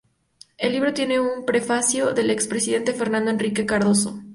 El libro tiene un prefacio del expresidente Fernando Henrique Cardoso.